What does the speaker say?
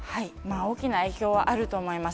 大きな影響はあると思います。